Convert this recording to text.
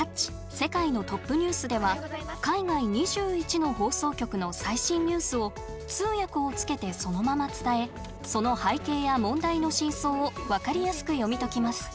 世界のトップニュース」では海外２１の放送局の最新ニュースを通訳をつけて、そのまま伝えその背景や問題の深層を分かりやすく読み解きます。